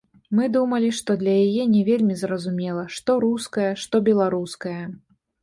Мы думалі, што для яе не вельмі зразумела, што руская, што беларуская.